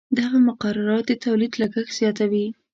دغه مقررات د تولید لګښت زیاتوي.